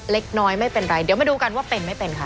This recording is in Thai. เล็กน้อยไม่เป็นไรเดี๋ยวมาดูกันว่าเป็นไม่เป็นค่ะ